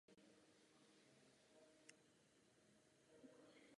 V okolí obce se těžilo i zlato.